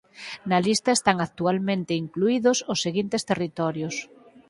Na lista están actualmente incluídos os seguintes territorios.